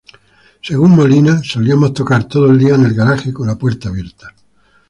Según Molina: "Solíamos tocar todo el día en el garage con la puerta abierta.